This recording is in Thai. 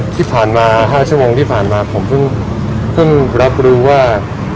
ที่ผ่านมา๕ชั่วโมงที่ผ่านมาผมเพิ่งรับรู้ว่า